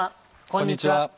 こんにちは。